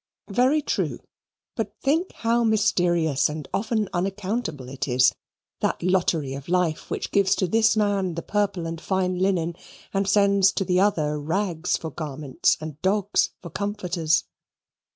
Very true; but think how mysterious and often unaccountable it is that lottery of life which gives to this man the purple and fine linen and sends to the other rags for garments and dogs for comforters.